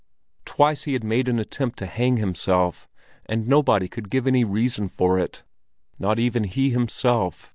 Twice he had made an attempt to hang himself, and nobody could give any reason for it, not even he himself.